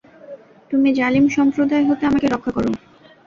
তুমি জালিম সম্প্রদায় হতে আমাকে রক্ষা কর।